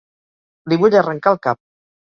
Li vull arrencar el cap.